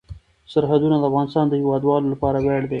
سرحدونه د افغانستان د هیوادوالو لپاره ویاړ دی.